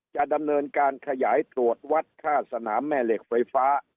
จะดำเนินการขยายตรวจวัดค่าสนามแม่เหล็กไฟฟ้า